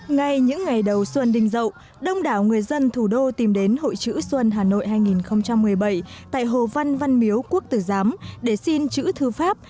ngay những ngày đầu xuân đình dậu đông đảo người dân thủ đô tìm đến hội chữ xuân hà nội hai nghìn một mươi bảy tại hồ văn văn miếu quốc tử giám để xin chữ thư pháp